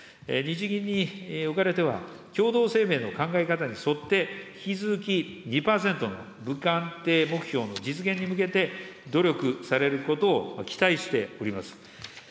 日銀におかれては、共同声明の考え方に沿って、引き続き２％の物価安定目標の実現に向けて、努力されることを期待しております。